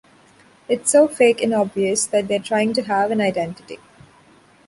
It's so fake and obvious that they're trying to have an identity.